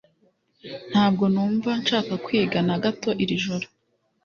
Ntabwo numva nshaka kwiga na gato iri joro